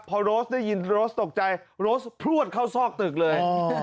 พอโรสได้ยินโรสตกใจโรสพลวดเข้าซอกตึกเลย